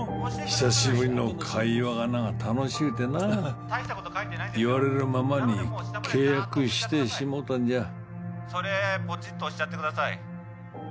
久しぶりの会話がな楽しゅうてな言われるままに契約してしもうたんじゃそれポチッと押しちゃってください